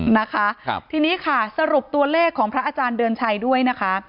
นะคะครับทีนี้ค่ะสรุปตัวเลขของพระอาจารย์เดือนชัยด้วยนะคะ